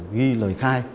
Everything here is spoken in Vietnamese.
ghi lời khai